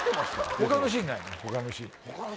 他のシーンないの？